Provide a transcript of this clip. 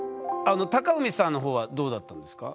貴文さんの方はどうだったんですか？